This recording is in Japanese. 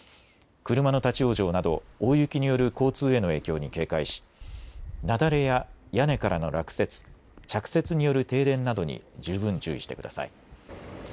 車の立往生など、大雪による交通への影響に警戒し雪崩や屋根からの落雪、着雪による停電などに十分注意してください。